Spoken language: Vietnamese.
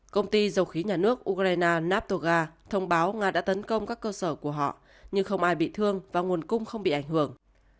công ty dầu khí nhà nước ukraine natoga thông báo nga đã tấn công các cơ sở của họ nhưng không ai bị thương và nguồn cung không bị ảnh hưởng